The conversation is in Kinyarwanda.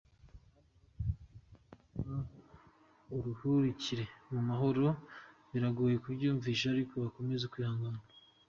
Abandi bakomeje kwandika ubutumwa ’Aruhukire mu mahoro’, biragoye kubyiyumvisha ariko mukomeze kwihangana.